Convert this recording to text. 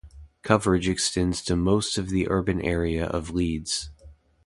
Coverage extends to most of the urban area of Leeds.